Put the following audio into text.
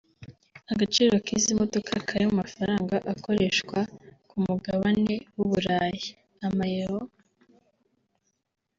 Agaciro k’izi modoka kari mu mafaranga akoreshwa ku mugabane w’Uburayi (Amayero/Euros)